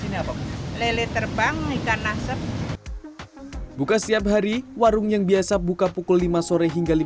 ini apa lele terbang ikan asap buka setiap hari warung yang biasa buka pukul lima sore hingga